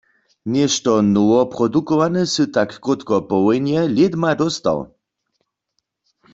Něšto nowoprodukowane sy tak krótko po wójnje lědma dóstał.